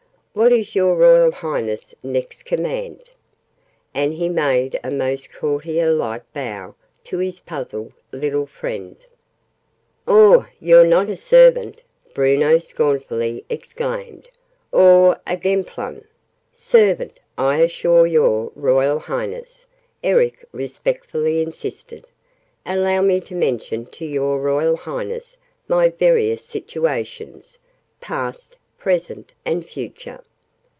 What is your Royal Highness next command?" And he made a most courtier like low bow to his puzzled little friend. "Oo're not a Servant!" Bruno scornfully exclaimed. "Oo're a Gemplun!" "Servant, I assure your Royal Highness!" Eric respectfully insisted. "Allow me to mention to your Royal Highness my various situations past, present, and future."